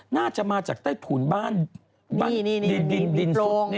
น่าจะมาจากใต้ถุนบ้านดินซุก